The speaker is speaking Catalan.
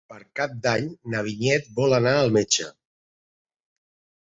Per Cap d'Any na Vinyet vol anar al metge.